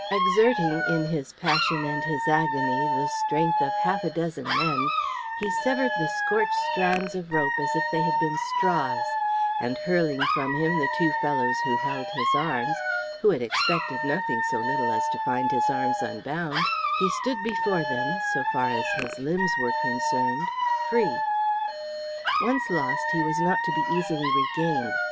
Exerting, in his passion and his agony, the strength of half a dozen men, he severed the scorched strands of rope as if they had been straws, and, hurling from him the two fellows who held his arms who had expected nothing so little as to find his arms unbound he stood before them, so far as his limbs were concerned, free. Once lost, he was not to be easily regained.